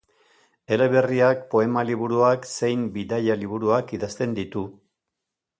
Eleberriak, poema-liburuak zein bidaia-liburuak idazten ditu.